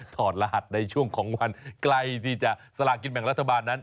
ถอดรหัสในช่วงของวันใกล้ที่จะสลากินแบ่งรัฐบาลนั้น